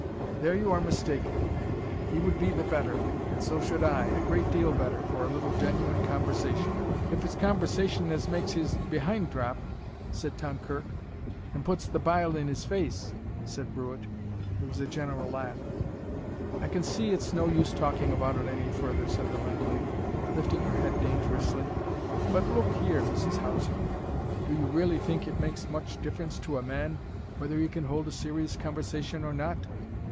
"There, you are mistaken. He would be the better, and so should I, a great deal better, for a little genuine conversation." "If it's conversation as ma'es his behind drop " said Tom Kirk. "An' puts th' bile in his face " said Brewitt. There was a general laugh. "I can see it's no use talking about it any further," said the landlady, lifting her head dangerously. "But look here, Mrs. Houseley, do you really think it makes much difference to a man, whether he can hold a serious conversation or not?"